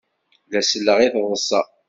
La selleɣ i taḍsa.